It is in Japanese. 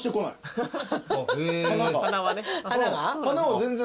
花は全然。